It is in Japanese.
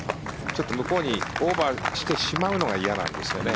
ちょっと向こうにオーバーしてしまうのが嫌なんですよね。